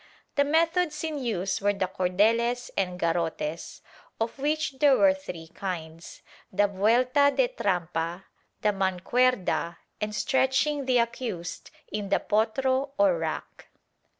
The methods in use were the cordeles and garrotes, of which there were three kinds, the vuelta de trampa, the mancuerda and stretching the accused in the potro or rack.